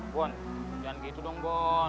bon jangan gitu dong bon